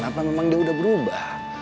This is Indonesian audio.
apa memang dia udah berubah